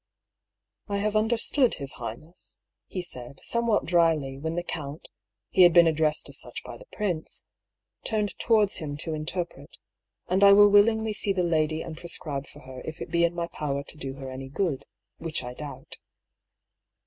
" I have understood his highness," he said, some what dryly, when the count (he had been addressed as such by the prince) turned towards him to interpret ; "and I will willingly see the lady and prescribe for THE BEGINNING OP THE SEQUEL. 165 her if it be in my power to do her any good, which I doubt."